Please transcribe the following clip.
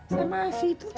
sama si itu